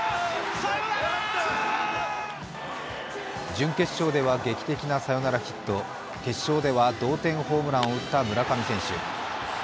準決勝では劇的なサヨナラヒット、決勝では同点ホームランを打った村上選手。